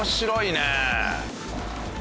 ねえ。